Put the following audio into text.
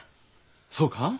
そうか？